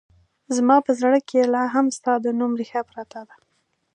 زما په زړه کې لا هم ستا د نوم رېښه پرته ده